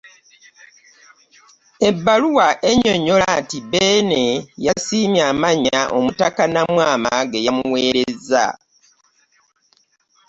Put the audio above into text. Ebbaluwa ennyonnyola nti Beene yasiimye amannya omutaka Namwama ge yamuweereza